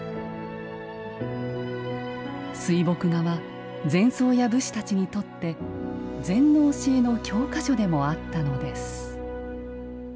水墨画は禅僧や武士たちにとって禅の教えの教科書でもあったのです